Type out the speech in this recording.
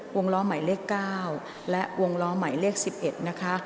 ล้อหมายเลข๙และวงล้อหมายเลข๑๑นะคะ